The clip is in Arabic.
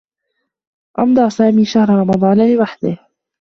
أمضى سامي شهر رمضان لوحده.